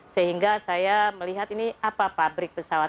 sehingga saya melihat ini apa pabrik pesawat